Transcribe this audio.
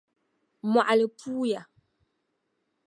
Mɔɣili puuya.